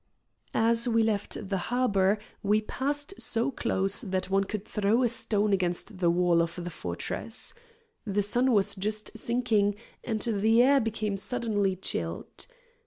As we left the harbor we passed so close that one could throw a stone against the wall of the fortress. The sun was just sinking and the air became suddenly chilled.